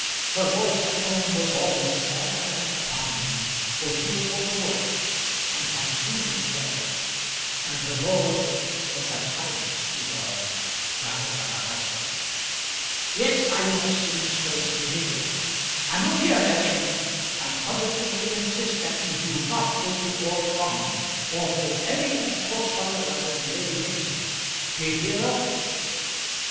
Her voice at home was always sad and whining, for she was overworked, and had too many cares, and her lord was a tyrant to her rather than a husband. "Yes, I must see Mr. Mason immediately. And look here, Miriam, I positively insist that you do not go to Orley Farm, or hold any intercourse whatever with Lady Mason. D'ye hear?"